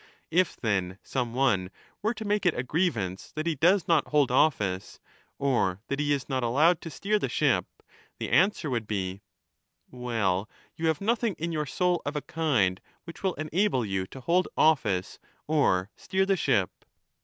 If then some one were to make it a grievance that he does not hold office or that he is not allowed to steer the 25 ship, the answer would be, ' Well, you have nothing in your soul of a kind which will enable you to hold office or steer the ship.'